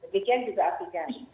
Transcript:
demikian juga avigan